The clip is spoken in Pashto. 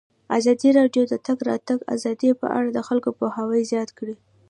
ازادي راډیو د د تګ راتګ ازادي په اړه د خلکو پوهاوی زیات کړی.